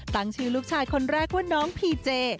ตั้งชื่อลูกชายคนแรกว่าน้องพีเจ